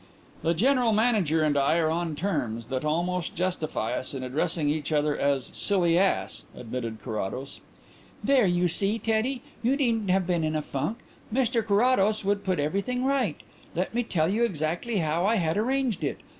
"The General Manager and I are on terms that almost justify us in addressing each other as 'silly ass,'" admitted Carrados. "There you see, Teddy, you needn't have been in a funk. Mr Carrados would put everything right. Let me tell you exactly how I had arranged it.